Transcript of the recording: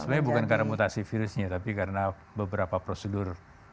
sebenarnya bukan karena mutasi virusnya tapi karena beberapa prosedur